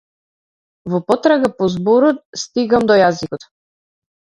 Во потрага по зборот стигам до јазикот.